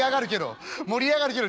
「盛り上がるけど。